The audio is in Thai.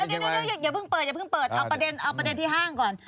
เดี๋ยวอย่าเพิ่งเปิดเอาประเด็นที่ห้างก่อน